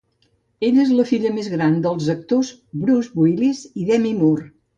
Ella és la filla més gran dels actors Bruce Willis i Demi Moore.